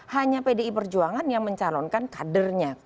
hanya pdi perjuangan yang mencalonkan kadernya